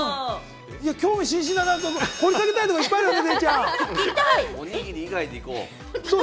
興味津々で掘り下げたいところがいっぱいあるのよ